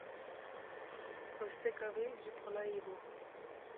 Kosteka wê, ji polayê bû.